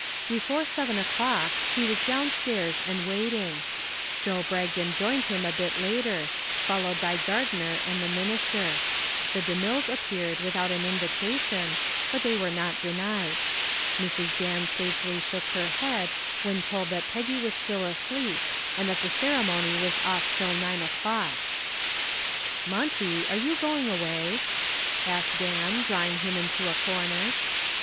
Before seven o'clock he was down stairs and waiting. Joe Bragdon joined him a bit later, followed by Gardner and the minister. The DeMilles appeared without an invitation, but they were not denied. Mrs. Dan sagely shook her head when told that Peggy was still asleep and that the ceremony was off till nine o'clock. "Monty, are you going away?" asked Dan, drawing him into a corner.